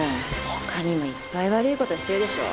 他にもいっぱい悪い事してるでしょ。